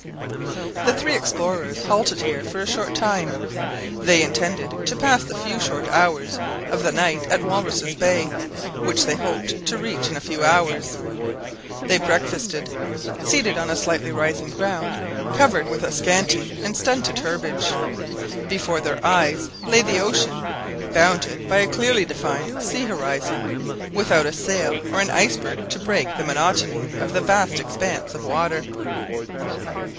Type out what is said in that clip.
The three explorers halted here for a short time, they intended to pass the few short hours of the night at Walruses' Bay, which they hoped to reach In a few hours. They breakfasted seated on a slightly rising ground covered with a scanty and stunted herbage. Before their eyes lay the ocean bounded by a clearly defined sea horizon, without a sail or an iceberg to break the monotony of the vast expanse of water.